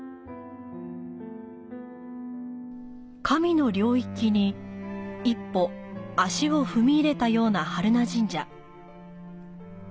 神の領域に一歩足を踏み入れたような榛名神社。